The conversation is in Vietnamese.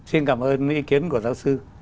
xin cảm ơn ý kiến của giáo sư